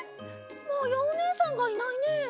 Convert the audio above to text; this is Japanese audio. まやおねえさんがいないね。